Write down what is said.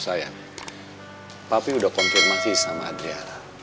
sayang papi udah konfirmasi sama adriana